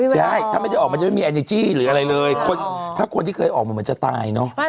ใช่ถ้าไม่ได้ออกมันจะไม่มีนิกาสื่อถ้าคนที่เคยออกใหม่มันจะตายนะ